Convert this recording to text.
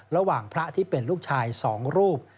ระหว่างพระที่เป็นลูกชาย๒รูป